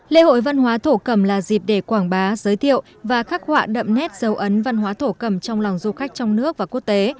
lễ hội văn hóa thổ cầm là dịp để quảng bá giới thiệu và khắc họa đậm nét dấu ấn văn hóa thổ cầm trong lòng du khách trong nước và quốc tế